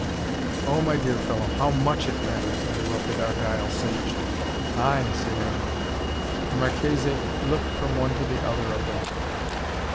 "Oh, my dear fellow, how MUCH it matters " interrupted Argyle sagely. "Ay!" said Aaron. The Marchese looked from one to the other of them.